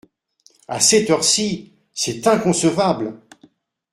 À cette heure-ci ! c’est inconcevable.